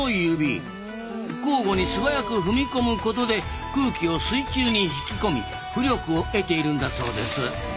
交互に素早く踏み込むことで空気を水中に引き込み浮力を得ているんだそうです。